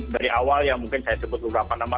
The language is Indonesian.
dari awal ya mungkin saya sebut beberapa nama